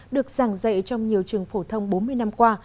được giảng dạy trong nhiều trường phổ thông bốn mươi năm qua